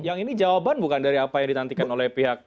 yang ini jawaban bukan dari apa yang ditantikan oleh pihak